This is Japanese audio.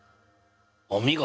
お見事！